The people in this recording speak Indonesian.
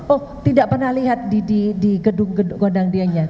oh tidak pernah lihat di gedung gedung gondang dianya